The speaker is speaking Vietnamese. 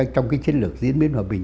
trong chiến lược diễn biến hòa bình